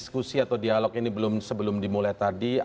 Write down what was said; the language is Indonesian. kita akan kembali